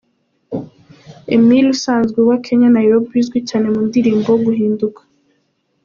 Emile usanzwe uba Kenya Nairobi, uzwi cyane mu ndirimbo Guhinduka.